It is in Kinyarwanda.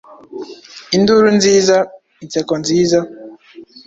Induru nziza, inseko nziza,